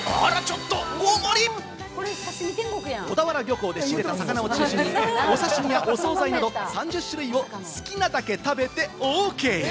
小田原漁港で仕入れた魚を中心にお刺し身やお総菜など３０種類を好きなだけ食べてＯＫ。